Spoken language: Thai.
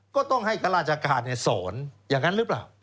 ก็ต้องให้ข้าราชการสอนอย่างนั้นหรือเปล่า